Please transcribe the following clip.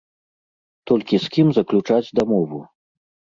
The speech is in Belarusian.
Толькі з кім заключаць дамову?